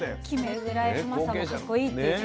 それぐらいさんもかっこいいってね。